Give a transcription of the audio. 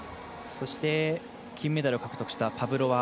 金メダルを獲得したパブロワ。